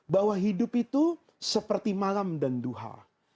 bahwa hidup itu seperti malam dan duha